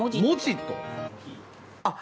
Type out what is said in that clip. あっ！